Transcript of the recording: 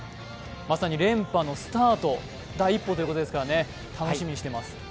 まさに連覇のスタート、第一歩ということですから楽しみにしてます。